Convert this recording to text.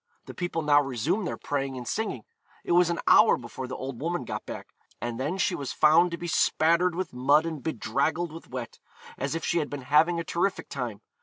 The people now resumed their praying and singing. It was an hour before the old woman got back, and then she was found to be spattered with mud and bedraggled with wet, as if she had been having a terrific time.